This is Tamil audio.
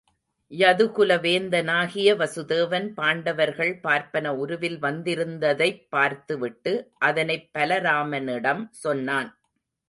யதுகுல வேந்தனாகிய வசுதேவன் பாண்டவர்கள் பார்ப்பன உருவில் வந்திருந்ததைப் பார்த்து விட்டு அதனைப் பலராமனிடம் சொன்னான்.